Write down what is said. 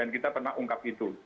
kita pernah ungkap itu